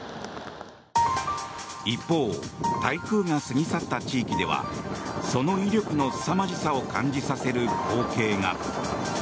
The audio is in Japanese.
一方台風が過ぎ去った地域ではその威力のすさまじさを感じさせる光景が。